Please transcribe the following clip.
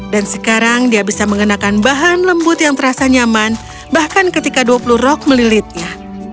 dan sekarang dia bisa mengenakan bahan lembut yang terasa nyaman bahkan ketika dua puluh rok melilitnya